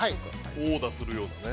◆殴打するようにね。